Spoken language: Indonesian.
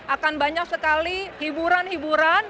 akan banyak sekali hiburan hiburan